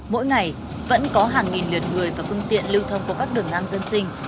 mỗi ngày vẫn có hàng nghìn liệt người và phương tiện lưu thông của các đường ngang dân sinh